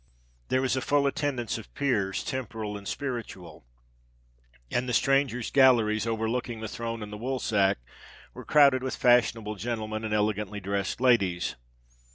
There was a full attendance of Peers, Temporal and Spiritual; and the strangers' galleries, overlooking the throne and the woolsack, were crowded with fashionable gentlemen and elegantly dressed ladies.